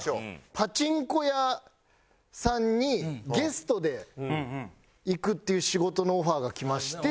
パチンコ屋さんにゲストで行くっていう仕事のオファーがきまして。